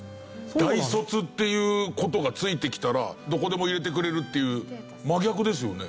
大卒っていう事がついてきたらどこでも入れてくれるっていう真逆ですよね。